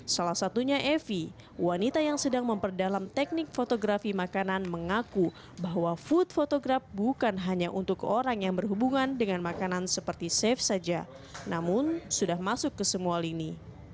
salah satunya evi wanita yang sedang memperdalam teknik fotografi makanan mengaku bahwa food photograp bukan hanya untuk orang yang berhubungan dengan makanan seperti safe saja namun sudah masuk ke semua lini